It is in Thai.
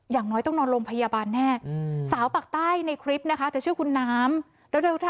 อย่างน้อยต้องนอนโรงพยาบาลแน่สาวปากใต้ในคลิปนะคะเธอชื่อคุณน้ำ